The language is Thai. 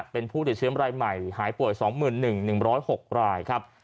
เป็นผู้ติดเชื้อมรายใหม่หายป่วยสองหมื่นหนึ่งหนึ่งร้อยหกรายครับ